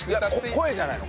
声じゃないの？